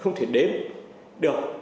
không thể đếm được